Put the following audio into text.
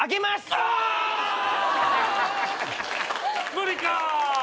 無理か！